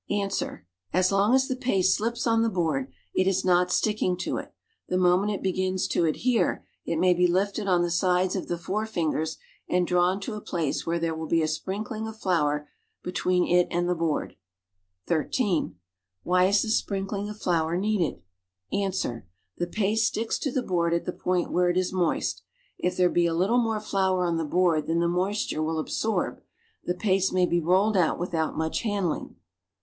Ans. As long as the paste .slips on the board, it is not sticking to it; the moment it begins to adhere, it may be lifted on the sides of the forefingers and drawn to a place where there will be a sprinkling of flour between it and the board. (13) Wh;)' is the sprinkling of flour needed? .\ns. The pasle slicks lo Ihe board at the point where it is moist; if there be a little more floiu' on the board than the moisture will absorb, the paste may be rolled out without much han dling.